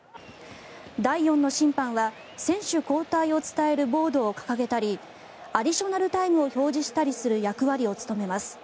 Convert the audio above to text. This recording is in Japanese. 第４の審判は選手交代を伝えるボードを掲げたりアディショナルタイムを表示したりする役割を務めます。